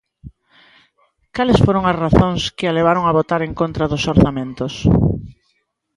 Cales foron as razóns que a levaron a votar en contra dos orzamentos?